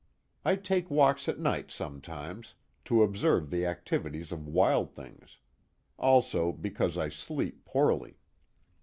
I take walks at night sometimes, to observe the activities of wild things, also because I sleep poorly.